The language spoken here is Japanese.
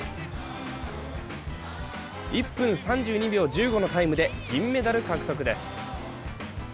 １分３２秒１５のタイムで銀メダル獲得です。